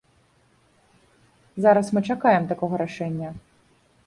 Зараз мы чакаем такога рашэння.